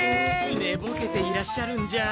ねぼけていらっしゃるんじゃあ。